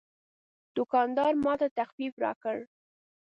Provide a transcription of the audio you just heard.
دوکاندار ماته تخفیف راکړ.